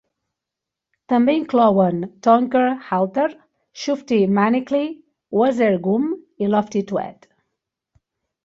També inclouen "Tonker" Halter, "Shufti" Manickle, "Wazzer" Goom i "Lofty" Tewt.